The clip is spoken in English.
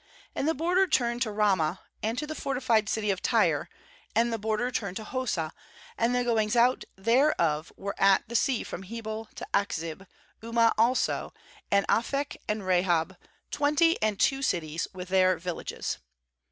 29And the border turned to Ramah, and to the fortified city of Tyre; and the border turned to Hosah; and the goings out thereof were at the sea from Hebel to Achzib; 30Ummah also, and Aphek, and Rehob; twenty and two cities with their villages.